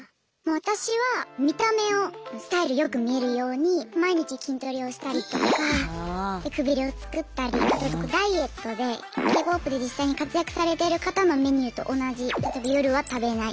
私は見た目をスタイルよく見えるように毎日筋トレをしたりとかくびれをつくったりダイエットでＫ−ＰＯＰで実際に活躍されている方のメニューと同じ例えば夜は食べない。